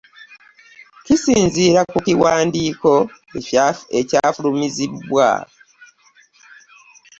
Kisinziira ku kiwandiiko ekyafulumizibwa.